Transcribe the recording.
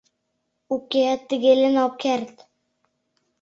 Уке, тыге лийын ок керт...